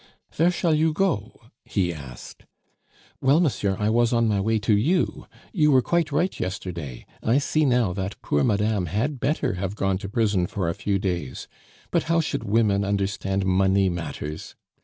"Vere shall you go?" he asked. "Well, monsieur, I was on my way to you. You were quite right yesterday. I see now that poor madame had better have gone to prison for a few days. But how should women understand money matters?